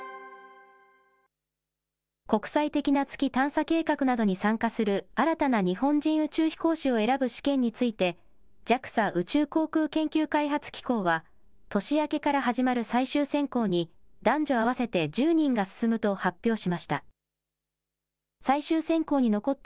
国際的な月探査計画などに参加する新たな日本人宇宙飛行士を選ぶ試験について、ＪＡＸＡ・宇宙航空研究開発機構は、年明けから始まる最終選考に、男女合わせて１０人が進むと発表しました。